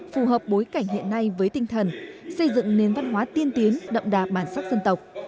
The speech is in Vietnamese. phù hợp bối cảnh hiện nay với tinh thần xây dựng nền văn hóa tiên tiến đậm đà bản sắc dân tộc